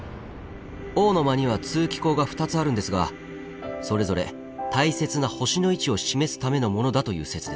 「王の間」には通気孔が２つあるんですがそれぞれ大切な星の位置を示すためのものだという説です。